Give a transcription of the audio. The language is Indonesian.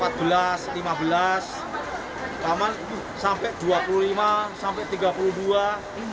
laman sampai dua puluh lima sampai tiga puluh dua